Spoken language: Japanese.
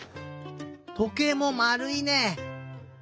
とけいもまるいね。